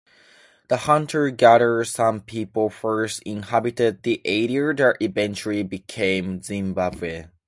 The hunter-gatherer San people first inhabited the area that eventually became Zimbabwe.